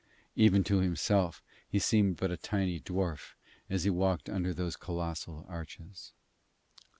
Even to himself he seemed but a tiny dwarf as he walked under one of those colossal arches.